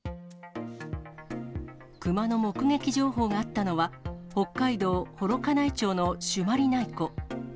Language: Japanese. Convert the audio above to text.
クマの目撃情報があったのは、北海道幌加内町の朱鞠内湖。